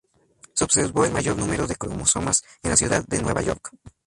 Se observó el mayor número de cromosomas en la ciudad de Nueva York.